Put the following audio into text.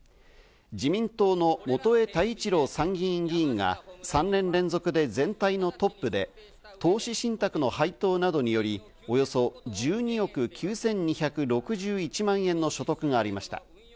自民党の元栄太一郎参議院議員が３年連続で全体のトップで、投資信託の配当等によりおよそ１２億９２６１万円の所得がありました。